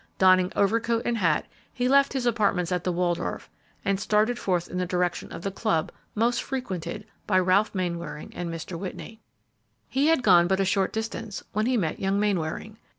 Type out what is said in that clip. Donning overcoat and hat, he left his apartments at the Waldorf; and started forth in the direction of the club most frequented by Ralph Mainwaring and Mr. Whitney. He had gone but a short distance when he met young Mainwaring.